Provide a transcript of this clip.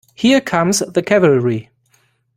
Here comes the cavalry.